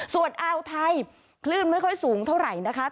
ส่วนอ่าวไทยคลื่นไม่ค่อยสูงเท่าไหร่นะคะ